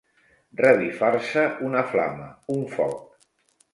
Revifar-se una flama, un foc.